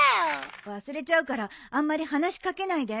忘れちゃうからあんまり話し掛けないで。